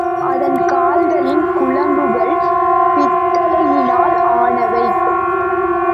அதன் கால்களின் குளம்புகள் பித்தளையினால் ஆனவை.